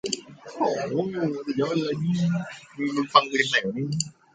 เราจึงได้รู้ว่า ที่แท้แล้ว